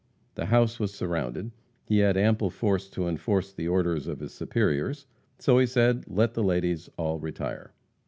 The house was surrounded; he had ample force to enforce the orders of his superiors; so he said, "Let the ladies all retire."